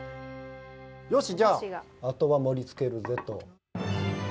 よし、じゃあ、あとは盛りつけるぜと。